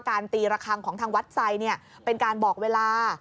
ตีระคังของทางวัดไซด์เป็นการบอกเวลา